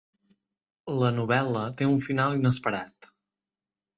La novel·la té un final inesperat.